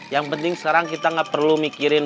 yang penting sekarang kita gak perlu mikirin